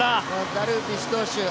ダルビッシュ投手